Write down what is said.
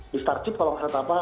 di starcube kalau tidak salah apa